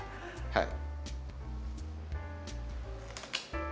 はい。